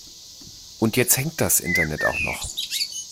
Und jetzt hängt das Internet auch noch.